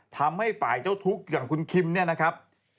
ทำให้ฝ่ายเจ้าทุกข์อย่างคุณคิมเนี่ยนะครับ